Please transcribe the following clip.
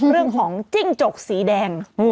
เรื่องของจิ้งจกสีแดง